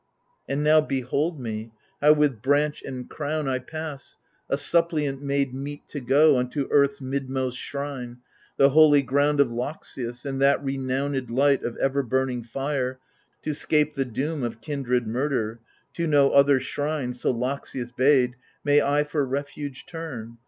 And now behold me, how with branch and crown I pass, a suppliant made meet to go Unto Earth's midmost shrine, the holy ground Of Loxias, and that renowned light Of ever burning fire, to 'scape the doom Of kindred murder : to no other shrine (So Loxias bade) may I for refuge turn.